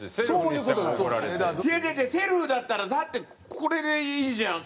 違う違う違うセルフだったらだってこれでいいじゃん